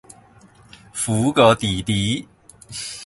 苦過弟弟